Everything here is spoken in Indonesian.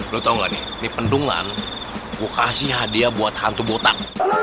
lo tau gak nih ini pendungan gue kasih hadiah buat hantu botak